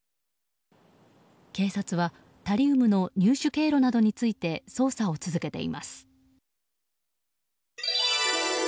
警察はタリウムの入手経路などについて捜査を続けています。